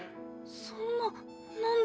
そんな何で。